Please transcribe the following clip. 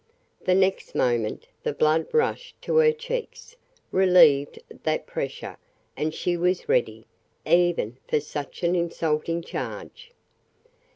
The next moment the blood rushed to her cheeks, relieved that pressure, and she was ready even for such an insulting charge.